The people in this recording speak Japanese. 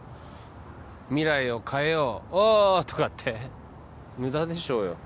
未来を変えようオーッとかって無駄でしょうよ